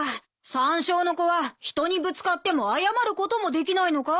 三小の子は人にぶつかっても謝ることもできないのか？